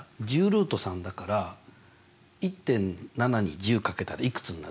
１０ルート３だから１．７に１０掛けたらいくつになる？